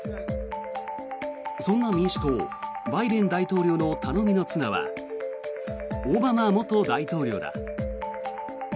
そんな民主党、バイデン大統領の頼みの綱はオバマ元大統領だ。